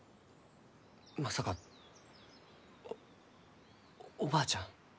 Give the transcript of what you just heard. まさかおおばあちゃん？